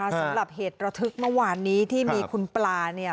สำหรับเหตุระทึกเมื่อวานนี้ที่มีคุณปลาเนี่ย